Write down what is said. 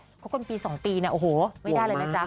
คบกันปี๒ปีเนี่ยโอ้โหไม่ได้เลยนะจ๊ะ